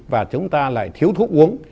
và chúng ta lại thiếu thuốc uống